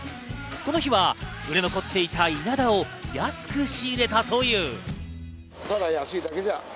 この日は売れ残っていたイナダを安く仕入れたという。